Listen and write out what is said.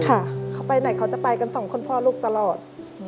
ค่ะเขาไปไหนเขาจะไปกันสองคนพ่อลูกตลอด